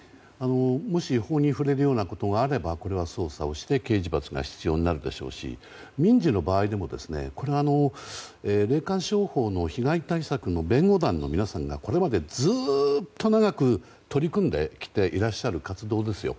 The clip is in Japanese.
もし、法に触れるようなことがあればこれは捜査をして刑事罰が必要になるでしょうし民事の場合でもこれは霊感商法の被害対策の弁護団の皆さんがこれまでずっと長く取り組んできていらっしゃる活動ですよ。